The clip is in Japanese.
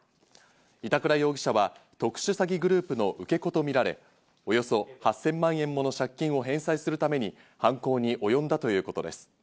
板倉容疑者は特殊詐欺グループの受け子とみられ、およそ８０００万円もの借金を返済するために犯行におよんだということです。